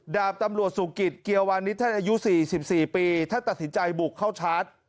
ดาบตำรวจสุกิตเกียววานิสท่านอายุ๔๔ปีท่านตัดสินใจบุกเข้าชาร์จ